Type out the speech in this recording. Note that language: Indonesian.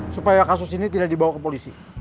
supaya kasus ini tidak dibawa ke polisi